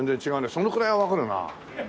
そのくらいはわかるな。